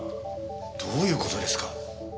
どういう事ですか？